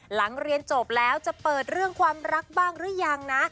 หลังเรียนจบแล้วจะเปิดเรื่องความรักบ้างหรือยังนะ